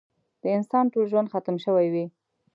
د انسان ټول ژوند ختم شوی وي.